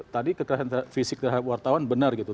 tadi kekerasan fisik terhadap wartawan benar gitu